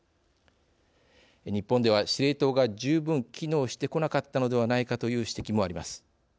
日本では「司令塔が十分機能してこなかったのではないか」という指摘もあります。